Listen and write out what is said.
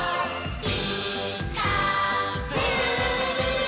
「ピーカーブ！」